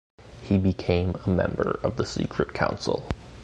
He became a member of the secret council.